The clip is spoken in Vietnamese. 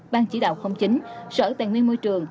ban chỉ đạo chín sở tài nguyên môi trường